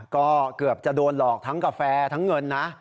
ก็เกือบจะโดนหลอกทั้งกาแฟทั้งเงินนะ